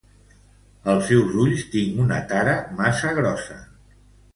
Als seus ulls, tinc una tara massa grossa.